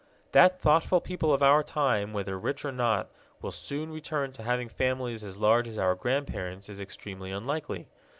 That thoughtful people of our time, whether rich or not, will soon return to having families as large as our grandparents' is extremely unlikely.